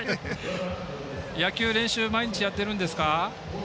野球練習毎日やってるんですか？